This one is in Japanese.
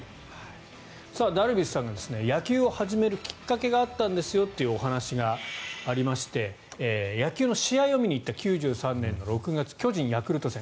ダルビッシュさんが野球を始めるきっかけがあったんですよというお話がありまして野球の試合を見に行った９３年の６月巨人・ヤクルト戦。